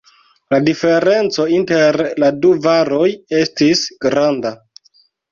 La diferenco inter la du varoj estis granda.